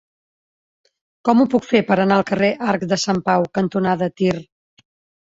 Com ho puc fer per anar al carrer Arc de Sant Pau cantonada Tir?